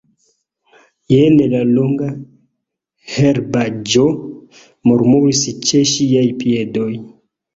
Jen la longa herbaĵo murmuris ĉe ŝiaj piedoj.